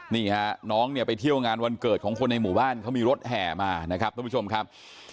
นี่ฮะน้องเนี่ยไปเที่ยวงานวันเกิดของคนในหมู่บ้านเขามีรถแห่มานะครับทุกผู้ชมครับ